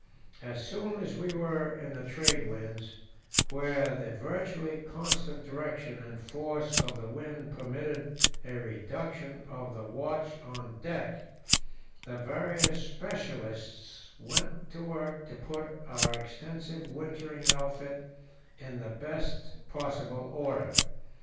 As soon as we were in the trade winds, where the virtually constant direction and force of the wind permitted a reduction of the watch on deck, the various specialists went to work to put our extensive wintering outfit in the best possible order.